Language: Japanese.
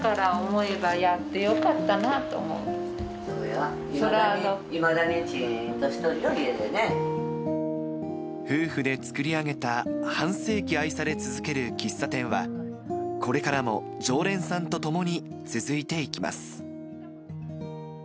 いまだにちーんとしとるよ、夫婦で作り上げた、半世紀愛され続ける喫茶店は、これからも常連さんと共に続いていきます。